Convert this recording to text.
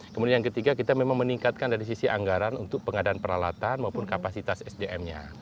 kemudian yang ketiga kita memang meningkatkan dari sisi anggaran untuk pengadaan peralatan maupun kapasitas sdm nya